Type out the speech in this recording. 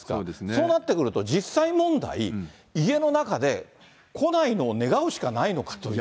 そうなってくると、実際問題、家の中で、来ないのを願うのしかないのかという。